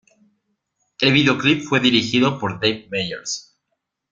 El video clip fue dirigido por "Dave Meyers".